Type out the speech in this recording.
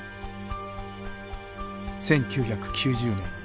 １９９０年。